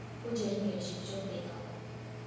Бул жердин келечеги жок, — дейт ал.